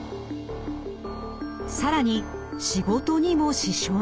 更に仕事にも支障が。